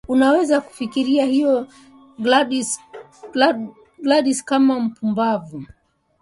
unaweza kufikiria hivyo Claudius kama mpumbavu